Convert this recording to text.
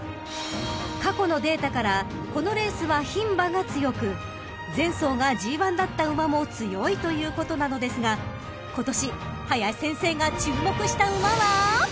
［過去のデータからこのレースは牝馬が強く前走がＧⅠだった馬も強いということなのですが今年林先生が注目した馬は］